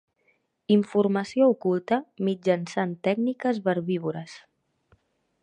Informació oculta mitjançant tècniques verbívores.